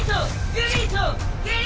デリート！